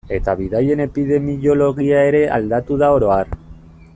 Eta bidaien epidemiologia ere aldatu da oro har.